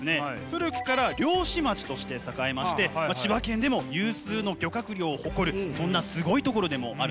古くから漁師町として栄えまして千葉県でも有数の漁獲量を誇るそんなすごい所でもあるんですよね。